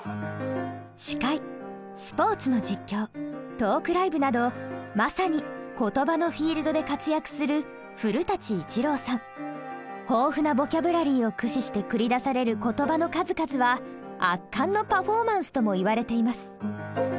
司会スポーツの実況トークライブなどまさに言葉のフィールドで活躍する豊富なボキャブラリーを駆使して繰り出される言葉の数々は圧巻のパフォーマンスともいわれています。